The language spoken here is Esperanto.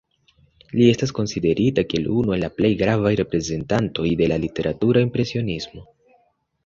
Li estas konsiderita kiel unu el la plej gravaj reprezentantoj de la literatura impresionismo.